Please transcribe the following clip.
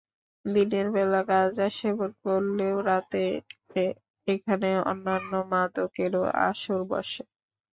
দিনের বেলা গাঁজা সেবন করলেও রাতে এখানে অন্যান্য মাদকেরও আসর বসে।